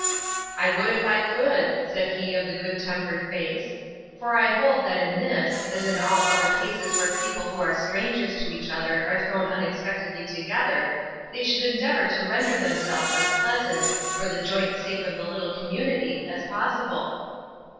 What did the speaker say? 'I would if I could,' said he of the good tempered face; 'for I hold that in this, as in all other cases where people who are strangers to each other are thrown unexpectedly together, they should endeavour to render themselves as pleasant, for the joint sake of the little community, as possible.